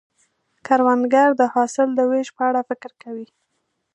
کروندګر د حاصل د ویش په اړه فکر کوي